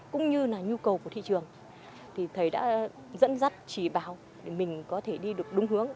cũng như là nhu cầu của thị trường thì thầy đã dẫn dắt chỉ bào để mình có thể đi được đúng hướng